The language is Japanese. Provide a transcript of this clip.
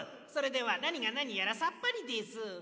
それではなにがなにやらさっぱりです。